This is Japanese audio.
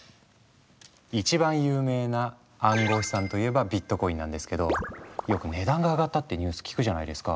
いちばん有名な暗号資産といえばビットコインなんですけどよく値段が上がったってニュース聞くじゃないですか。